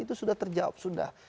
itu sudah terjawab sudah